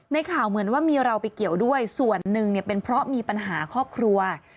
ข่าวเหมือนว่ามีเราไปเกี่ยวด้วยส่วนหนึ่งเนี่ยเป็นเพราะมีปัญหาครอบครัว